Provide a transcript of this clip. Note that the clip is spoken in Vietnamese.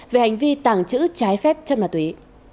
về hành vi tàng trữ trái phép chất ma túy